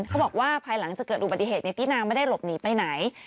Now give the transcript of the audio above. เขาบอกว่าภายหลังจากเกิดอุบัติเหตุพี่นางไม่ได้หลบหนีไปไหน